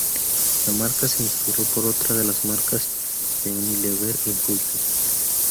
La marca se inspiró por otra de las marcas de Unilever, Impulse.